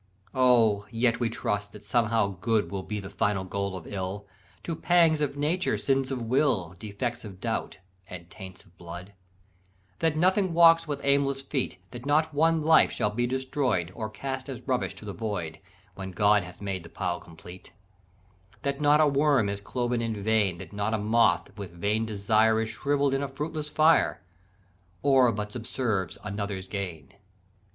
] "Oh, yet we trust that somehow good Will be the final goal of ill, To pangs of nature, sins of will, Defects of doubt, and taints of blood; "That nothing walks with aimless feet; That not one life shall be destroy'd, Or cast as rubbish to the void, When God hath made the pile complete; "That not a worm is cloven in vain; That not a moth with vain desire Is shrivell'd in a fruitless fire, Or but subserves another's gain.